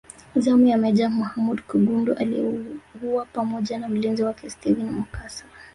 Zamu ya Meja Muhammad Kigundu aliyeuwa pamoja na mlinzi wake Steven Mukasa